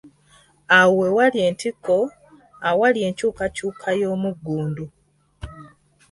Awo we wali entikko , awali enkyukyuka ey’omuggundu.